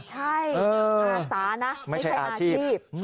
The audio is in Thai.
ใช่อาสานะไม่ใช่อาชีพ